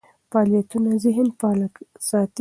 فعالیتونه ذهن فعال ساتي.